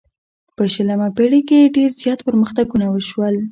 په شلمه پیړۍ کې ډیر زیات پرمختګونه وشول.